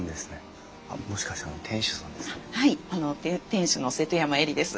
店主の瀬戸山江理です。